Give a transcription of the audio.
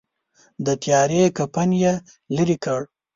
د تیارې کفن یې لیري کړ.